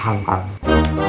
jangan banyak ngegaruh